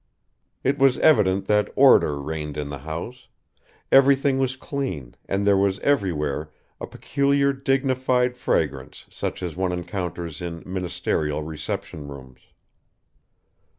It was evident that order reigned in the house; everything was clean, and there was everywhere a peculiar dignified fragrance such as one encounters in ministerial reception rooms.